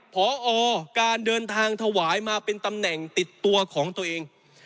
พอการเดินทางถวายมาเป็นตำแหน่งติดตัวของตัวเอง